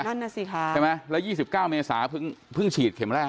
นั่นน่ะสิคะใช่ไหมแล้ว๒๙เมษาเพิ่งฉีดเข็มแรก